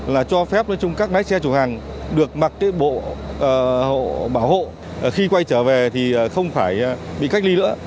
là cho phép nói chung các lái xe chủ hàng được mặc cái bộ bảo hộ khi quay trở về thì không phải bị cách ly nữa